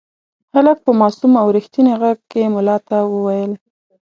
هلک په معصوم او رښتیني غږ کې ملا ته وویل.